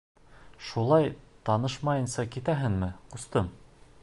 Шулай танышмайынса китәһеңме, ҡустым?